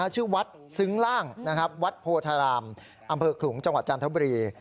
ชื่อวัดซึ้งล่างนะครับวัดโพธารามอำเภอขลุงจังหวัดจันทบุรี